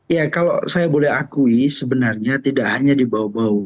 ya kalau saya boleh akui sebenarnya tidak hanya di bau bau